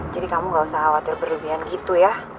jadi kamu gak usah khawatir berlebihan gitu ya